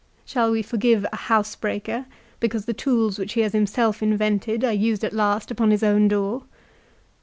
Shall we forgive a housebreaker because the tools which he has himself invented are used at last upon his own door